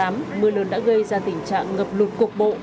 mưa lươn đã gây ra tình trạng ngập lụt cuộc bộ